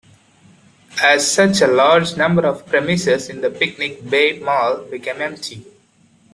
As such a large number of premises in the Picnic Bay Mall became empty.